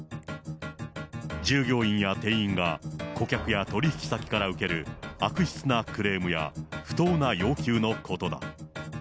従業員や店員が顧客や取り引き先から受ける悪質なクレームや不当な要求のことだ。